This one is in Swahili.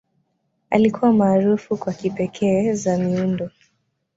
Alikuwa maarufu kwa kipekee za miundo.